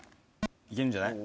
いけるんじゃない？